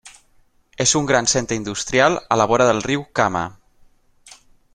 És un gran centre industrial a la vora del riu Kama.